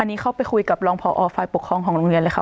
อันนี้เข้าไปคุยกับรองพอฝ่ายปกครองของโรงเรียนเลยค่ะ